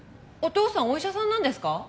お父さんお医者さんなんですか？